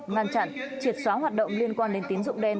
ngăn chặn triệt xóa hoạt động liên quan đến tín dụng đen